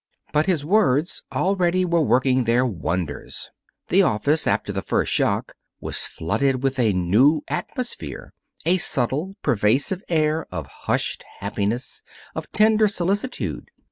But his words already were working their wonders. The office, after the first shock, was flooded with a new atmosphere a subtle, pervasive air of hushed happiness, of tender solicitude.